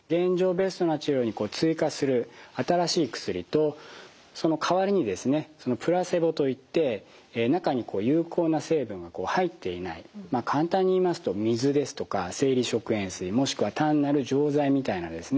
ベストな治療に追加する新しい薬とそのかわりにプラセボといって中に有効な成分が入っていない簡単に言いますと水ですとか生理食塩水もしくは単なる錠剤みたいなですね